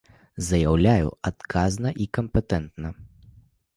Заяўляю адказна і кампетэнтна!